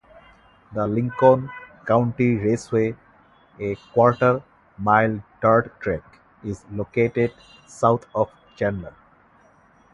The Lincoln County Raceway, a quarter mile dirt track, is located south of Chandler.